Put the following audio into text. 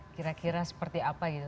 kira kira seperti apa gitu